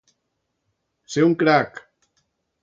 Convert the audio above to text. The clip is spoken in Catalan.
Ser un crac.